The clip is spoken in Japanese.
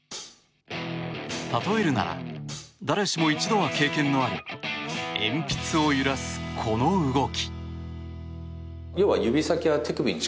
例えるなら誰しも一度は経験のある鉛筆を揺らす、この動き。